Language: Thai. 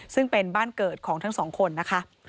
ซึ่งเป็นบ้านเกิดของทั้งสองคนนะคะ